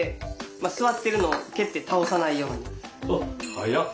速っ！